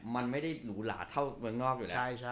มันไม่ได้หรูหลาเท่าเมืองนอกอยู่แล้ว